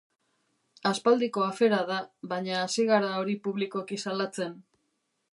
Aspaldiko afera da, baina hasi gara hori publikoki salatzen.